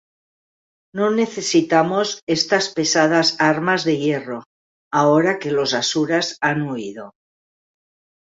No necesitamos estas pesadas armas de hierro ahora que los asuras han huido.